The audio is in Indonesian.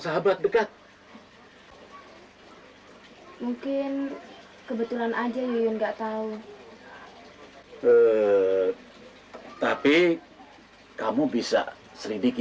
sahabat dekat mungkin kebetulan aja yun nggak tahu eh tapi kamu bisa seridiki